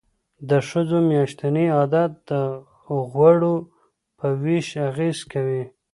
د ښځو میاشتنی عادت د غوړو په ویش اغیز کوي.